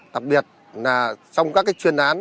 đặc biệt là trong các chuyên án